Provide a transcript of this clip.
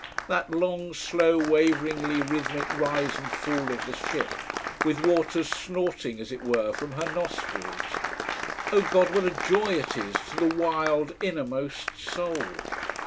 That long, slow, waveringly rhythmic rise and fall of the ship, with waters snorting as it were from her nostrils, oh God what a joy it is to the wild innermost soul.